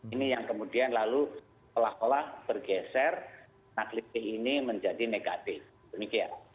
ini yang kemudian lalu olah olah bergeser nakletih ini menjadi negatif